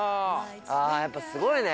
ああやっぱすごいね。